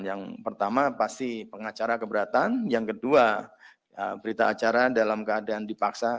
yang pertama pasti pengacara keberatan yang kedua berita acara dalam keadaan dipaksa